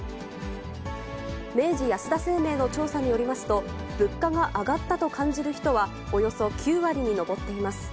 明治安田生命の調査によりますと、物価が上がったと感じる人はおよそ９割に上っています。